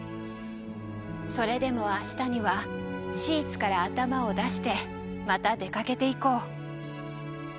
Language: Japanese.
それでもあしたにはシーツから頭を出してまた出かけていこう。